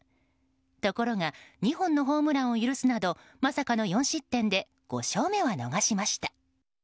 ところが、２本のホームランを許すなどまさかの４失点で５勝目は逃しました。